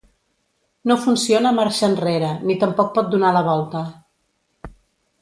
No funciona marxa enrere, ni tampoc pot donar la volta.